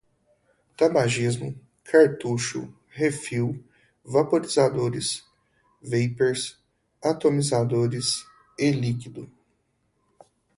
tabagismo, cartucho, refil, vaporizador, vapers, atomizador, e-líquido